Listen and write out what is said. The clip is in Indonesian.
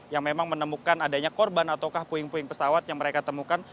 yang memang menemukan adanya korban ataukah puing puing pesawat yang mereka temukan